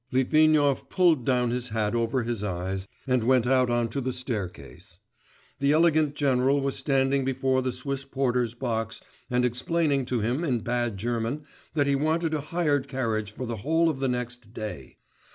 Litvinov pulled down his hat over his eyes, and went out on to the staircase. The elegant general was standing before the Swiss porter's box and explaining to him in bad German that he wanted a hired carriage for the whole of the next day.